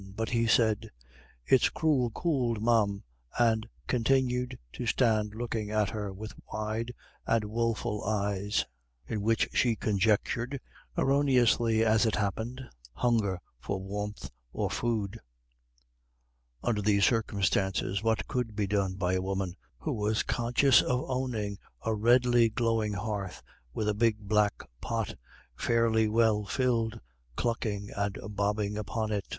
But he said, "It's cruel could, ma'am," and continued to stand looking at her with wide and woful eyes, in which she conjectured erroneously, as it happened hunger for warmth or food. Under these circumstances, what could be done by a woman who was conscious of owning a redly glowing hearth with a big black pot, fairly well filled, clucking and bobbing upon it?